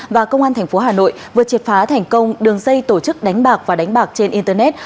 và công an tp hà nội vừa triệt phá thành công đường dây tổ chức đánh bạc và đánh bạc trên internet